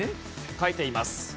書いています。